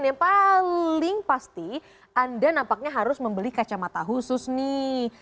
dan yang paling pasti anda nampaknya harus membeli kacamata khusus nih